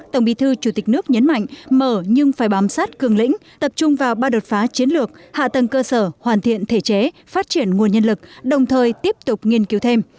tổng bí thư chủ tịch nước nhấn mạnh mở nhưng phải bám sát cường lĩnh tập trung vào ba đột phá chiến lược hạ tầng cơ sở hoàn thiện thể chế phát triển nguồn nhân lực đồng thời tiếp tục nghiên cứu thêm